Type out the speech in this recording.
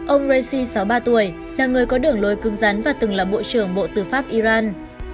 ông raisi sáu mươi ba tuổi là người có đường lối cứng rắn và từng là bộ trưởng bộ tư pháp iran